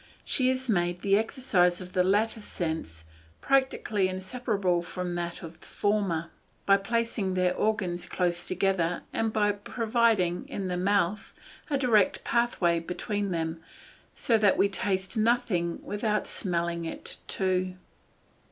She has made the exercise of the latter sense practically inseparable from that of the former, by placing their organs close together, and by providing, in the mouth, a direct pathway between them, so that we taste nothing without smelling it too.